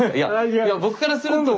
いやいや僕からすると。